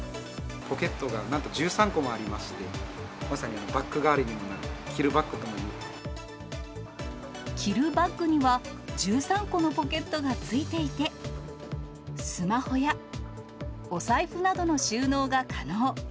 ポケットがなんと１３個もありまして、まさにバッグ代わりにもなる、着るバッグには、１３個のポケットが付いていて、スマホやお財布などの収納が可能。